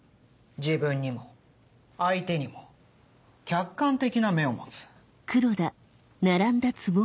自分にも相手にも客観的な目を持つ。